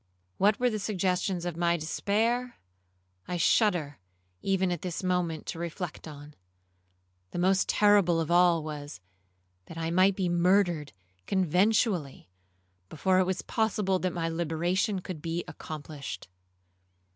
What were the suggestions of my despair, I shudder even at this moment to reflect on. The most terrible of all was, that I might be murdered conventually before it was possible that my liberation could be accomplished.